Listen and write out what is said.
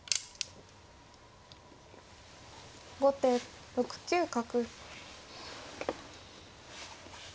後手６九角。